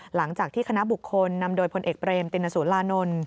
หลังจากที่คณะบุคคลนำโดยพลเอกเบรมตินสุรานนท์